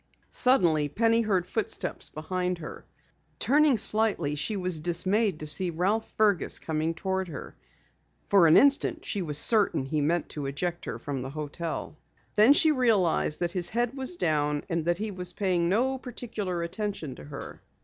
Suddenly Penny heard footsteps behind her. Turning slightly she was dismayed to see Ralph Fergus coming toward her. For an instant she was certain he meant to eject her from the hotel. Then, she realized that his head was down, and that he was paying no particular attention to her.